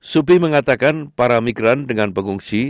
subih mengatakan para migran dengan pengungsi